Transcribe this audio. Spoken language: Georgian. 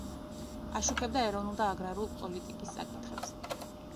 აშუქებდა ეროვნულ და აგრარულ პოლიტიკის საკითხებს.